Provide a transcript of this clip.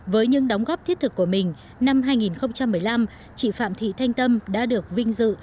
với những đóng góp thiết thực của mình năm hai nghìn một mươi năm chị phạm thị thanh tâm đã được vinh dự